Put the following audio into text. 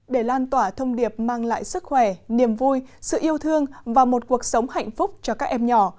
để lan tỏa thông điệp mang lại sức khỏe niềm vui sự yêu thương và một cuộc sống hạnh phúc cho các em nhỏ